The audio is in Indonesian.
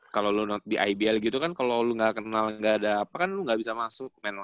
kalo lu di ibl gitu kan kalo lu gak kenal gak ada apa kan lu gak bisa masuk